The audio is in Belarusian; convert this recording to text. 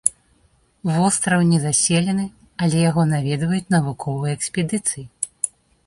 Востраў незаселены, але яго наведваюць навуковыя экспедыцыі.